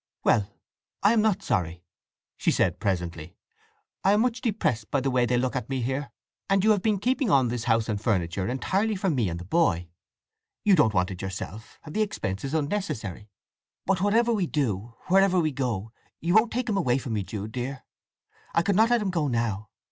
"Well—I am not sorry," said she presently. "I am much depressed by the way they look at me here. And you have been keeping on this house and furniture entirely for me and the boy! You don't want it yourself, and the expense is unnecessary. But whatever we do, wherever we go, you won't take him away from me, Jude dear? I could not let him go now!